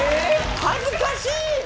恥ずかしい！